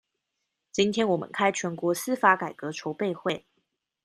今天我們開全國司法改革籌備會